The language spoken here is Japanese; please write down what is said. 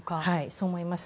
そう思います。